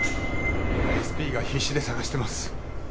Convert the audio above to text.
ＳＰが必死で捜してます。